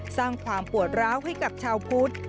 สร้างความปวดร้าวให้กับชาวพุทธ